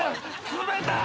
冷たい脚！